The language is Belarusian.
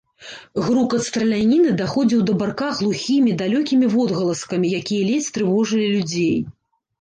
Грукат страляніны даходзіў да барка глухімі, далёкімі водгаласкамі, якія ледзь трывожылі людзей.